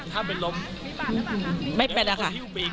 ถ้าเป็นลมไม่เป็นแล้วค่ะ